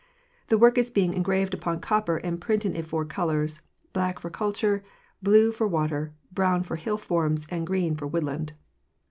The work is being engraved upon copper and printed in four colors—black for culture, blue for water, brown for hill forms, and green for woodland.